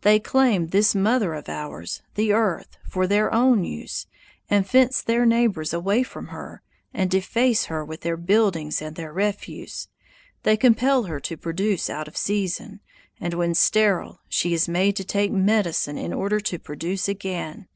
They claim this mother of ours, the Earth, for their own use, and fence their neighbors away from her, and deface her with their buildings and their refuse. They compel her to produce out of season, and when sterile she is made to take medicine in order to produce again.